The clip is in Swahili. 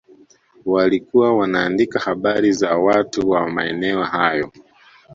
Walikuwa wanaandika habari za watu wa maeneo hayo